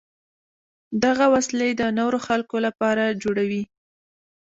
دغه وسلې د نورو خلکو لپاره جوړوي.